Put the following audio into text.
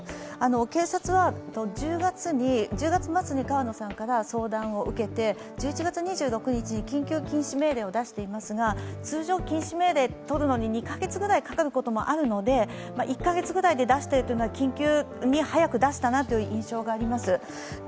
警察は、１０月末に川野さんから相談を受けて１１月２６日に緊急禁止命令を出していますが通常ね禁止命令を取るのに２か月くらいかかることもあるので、１か月くらいで出せたのは早く出したなという印象があります。